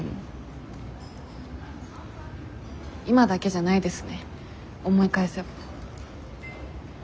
今だけじゃないですね思い返せば。